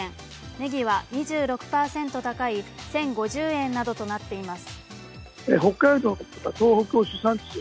ねぎは２６％高い１０５０円などとなっています。